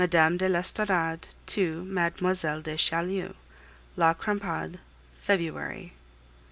MME. DE L'ESTORADE TO MLLE. DE CHAULIEU LA CRAMPADE, February.